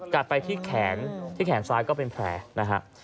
กัดไปที่แขนที่แขนซ้ายก็เป็นแผลนะฮะ